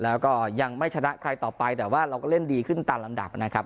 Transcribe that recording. แล้วก็ยังไม่ชนะใครต่อไปแต่ว่าเราก็เล่นดีขึ้นตามลำดับนะครับ